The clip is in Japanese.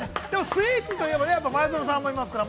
◆スイーツといえば、前園さんもいますから。